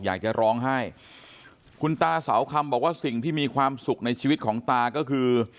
อยากจะร้องไห้คุณตาเสาคำบอกว่าสิ่งที่มีความสุขในชีวิตของตาก็คือ